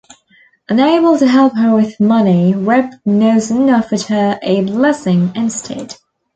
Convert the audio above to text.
Unable to help her with money, Reb Noson offered her a blessing instead.